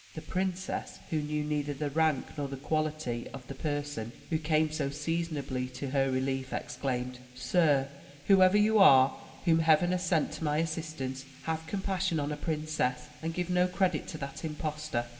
The princess, who knew neither the rank nor the quality of the person who came so seasoiiably to her relief, exclaimed: "Sir, whoever you are whom Heaven has sent to my assistance, 50 THE TREASURE CHEST have compassion on a princess, and give no credit to that im postor.